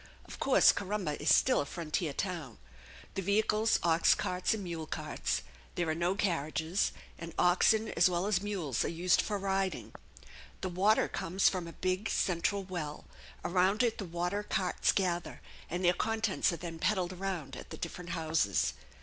Of course Corumba is still a frontier town. The vehicles ox carts and mule carts; there are no carriages; and oxen as well as mules are used for riding. The water comes from a big central well; around it the water carts gather, and their contents are then peddled around at the different houses.